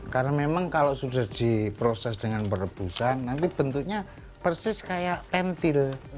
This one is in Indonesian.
karena memang kalau sudah diproses dengan perebusan nanti bentuknya persis kayak pentil